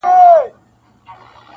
• وژني د زمان بادونه ژر شمعي -